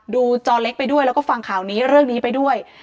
จอเล็กไปด้วยแล้วก็ฟังข่าวนี้เรื่องนี้ไปด้วย